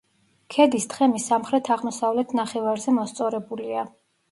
ქედის თხემი სამხრეთ-აღმოსავლეთ ნახევარზე მოსწორებულია.